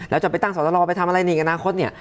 แล้วจะไปตั้งสอสอลอร์ไปทำอะไรนี่กับนางคตเนี่ย